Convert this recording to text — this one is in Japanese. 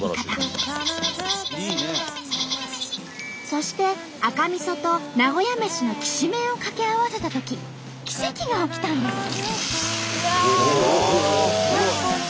そして赤みそと名古屋メシのきしめんを掛け合わせたとき奇跡が起きたんです。